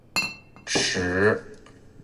持有的现金多于借入资金的状态